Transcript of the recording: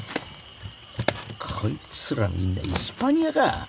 こいつらみんなイスパニアか！